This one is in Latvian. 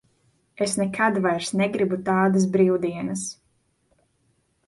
Es nekad vairs negribu tādas brīvdienas.